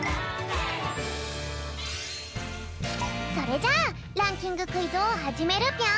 それじゃあランキングクイズをはじめるぴょん！